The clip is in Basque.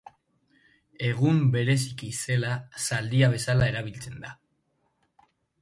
Egun bereziki zela zaldia bezala erabiltzen da.